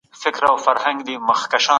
نړیوال عدالت د نړیوال ثبات لپاره اړین دی.